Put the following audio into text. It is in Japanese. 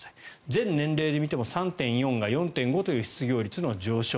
全年齢で見ても３．４が４．５という失業率の上昇。